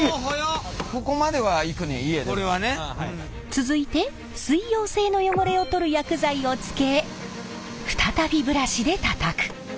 続いて水溶性の汚れを取る薬剤をつけ再びブラシでたたく。